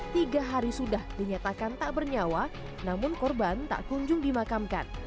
tiga hari sudah dinyatakan tak bernyawa namun korban tak kunjung dimakamkan